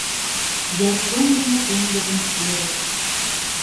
Я Чондымо теҥызын серыш.